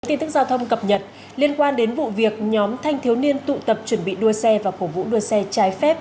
tin tức giao thông cập nhật liên quan đến vụ việc nhóm thanh thiếu niên tụ tập chuẩn bị đua xe và cổ vũ đua xe trái phép